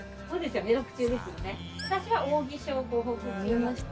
そうですね。